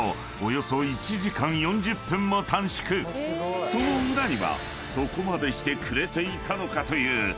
［その裏にはそこまでしてくれていたのかという］